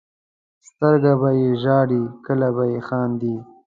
سترګه به یې ژاړي بله به یې خاندي.